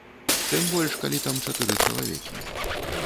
Тым больш, калі там чатыры чалавекі.